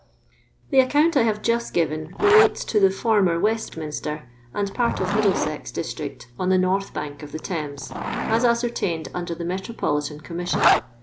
The account I have just given relates to the (former) Westminster and part of Middlesex di^ trict on the north bank of the Thames, u asoer tained under the Metropolitan ConuaisiioB.